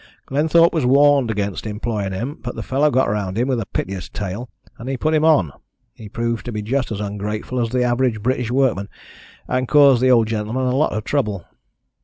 Glenthorpe was warned against employing him, but the fellow got round him with a piteous tale, and he put him on. He proved to be just as ungrateful as the average British workman, and caused the old gentleman a lot of trouble.